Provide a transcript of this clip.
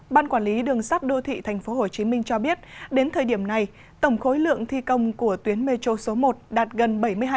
ban quản lý đường sắt đô thị tp hcm cho biết đến thời điểm này tổng khối lượng thi công của tuyến metro số một đạt gần bảy mươi hai